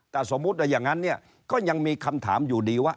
แต่สมมุติอย่างนั้นเนี่ยก็ยังมีคำถามอยู่ดีว่า